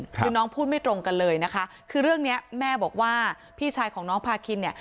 คือน้องพูดไม่ตรงกันเลยนะคะคือเรื่องเนี้ยแม่บอกว่าพี่ชายของน้องพาคินเนี่ย